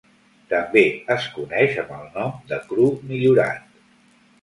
També es coneix amb el nom de "cru millorat".